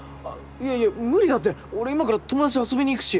いやいや無理だって俺今から友達と遊びに行くし。